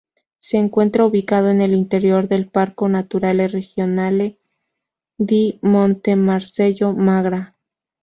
Se encuentra ubicado en el interior del Parco Naturale Regionale di Montemarcello-Magra.